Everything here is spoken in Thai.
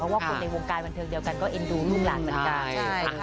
ว่าคนในวงการบันเทิงเดียวกันก็เอ็นดูลูกหลานเหมือนกัน